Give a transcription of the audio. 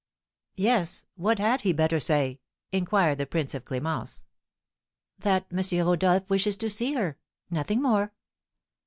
"Yes, what had he better say?" inquired the prince of Clémence. "That M. Rodolph wishes to see her, nothing more."